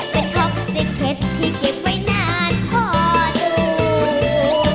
เป็นท็อกซิคเทศที่เก็บไว้นานพอดู